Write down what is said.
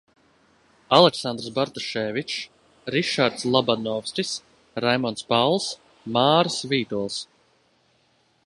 Aleksandrs Bartaševičs, Rišards Labanovskis, Raimonds Pauls, Māris Vītols.